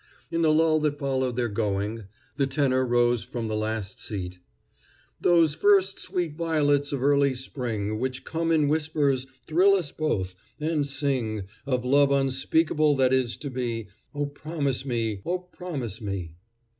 In the lull that followed their going, the tenor rose from the last seat: Those first sweet violets of early spring, Which come in whispers, thrill us both, and sing Of love unspeakable that is to be, Oh, promise me! Oh, promise me!